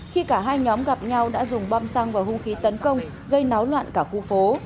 khi cả hai nhóm gặp nhau đã dùng bom xăng vào hung khí tấn công gây náo loạn cả khu phố